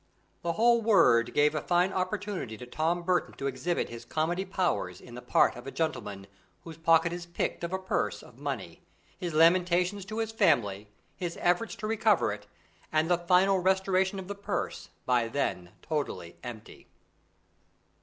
The whole word gave a fine opportunity to Tom Bertram to exhibit his comedy powers in the part of a gentleman whose pocket is picked of a purse of money, his lamentations to his family, his efforts to recover it, and the final restoration of the purse, by then totally empty.